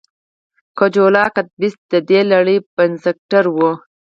کجولا کدفیسس د دې لړۍ بنسټګر و